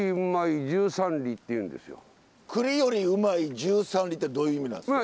「栗よりうまい十三里」ってどういう意味なんですか？